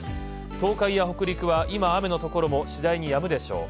東海や北陸は今、雨のところも次第にやむでしょう